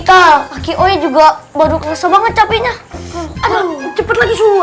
kakio juga baru kese banget capeknya cepet lagi